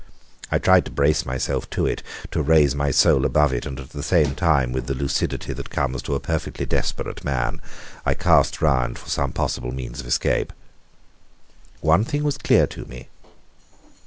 I tried to brace myself to it, to raise my soul above it, and at the same time, with the lucidity which comes to a perfectly desperate man, I cast round for some possible means of escape. One thing was clear to me.